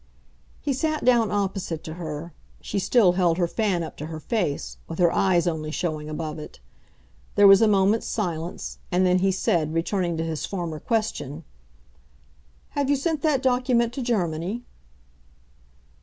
He sat down opposite to her; she still held her fan up to her face, with her eyes only showing above it. There was a moment's silence, and then he said, returning to his former question, "Have you sent that document to Germany?"